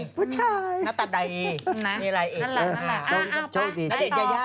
เป็นผู้ชายหน้าตาใดนี่มีอะไรเองนั่นแหละไปต่อ